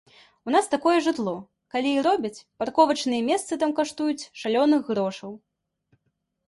У нас такое жытло, калі і робяць, парковачныя месцы там каштуюць шалёных грошаў.